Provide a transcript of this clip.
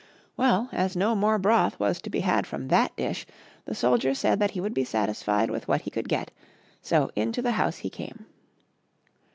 Well, as no more broth was to be had from that dish, the soldier said that he would be satisfied with what he could get : so into the house he came.